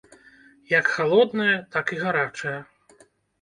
Як халодная, так і гарачая.